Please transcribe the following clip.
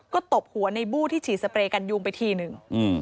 ก็ตบหัวในบู้ที่ฉีดสเปรย์กันยุงไปทีหนึ่ง